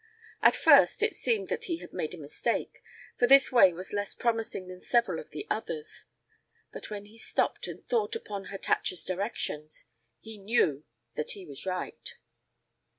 At first it seemed that he had made a mistake, for this way was less promising than several of the others; but when he stopped and thought upon Hatatcha's directions, he knew that he was right.